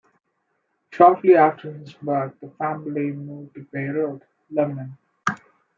Shortly after his birth the family moved to Beirut, Lebanon.